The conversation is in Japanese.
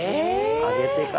上げてから。